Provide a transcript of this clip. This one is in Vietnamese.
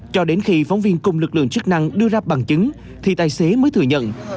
cho đến khi phóng viên cùng lực lượng chức năng đưa ra bằng chứng thì tài xế mới thừa nhận